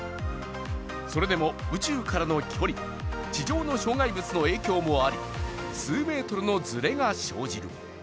それでも宇宙からの距離、地上の障害物の影響もあり数メートルのずれが生じる。